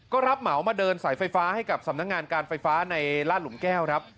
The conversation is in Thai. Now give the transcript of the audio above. ก็รับเหมามาเดินสายไฟฟ้าให้กับสำนักงานการไฟฟ้าในลาดหลุมแก้วครับ